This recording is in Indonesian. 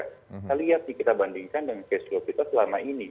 kita lihat sih kita bandingkan dengan cash flow kita selama ini